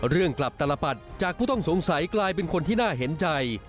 เรื่องกลับตลปัดจากผู้ต้องสงสัยกลายเป็นคนที่น่าเห็นใจ